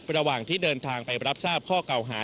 ระหว่างที่เดินทางไปรับทราบข้อเก่าหา